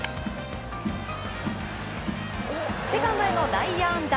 セカンドへの内野安打。